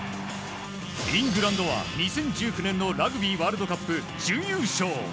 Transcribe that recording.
イングランドは２０１９年のラグビーワールドカップ準優勝。